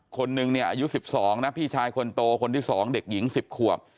คนหนึ่งเนี่ยอายุ๑๒นะพี่ชายคนโตคนที่๒เด็กหญิง๑๐ขวบ